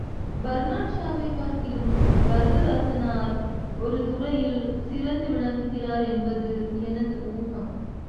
பர்னாட்ஷாவைப் பார்க்கிலும் வரதராசனார் ஒரு துறையில் சிறந்து விளங்குகிறார் என்பது எனது ஊகம்.